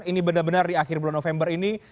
ini benar benar di akhir bulan november ini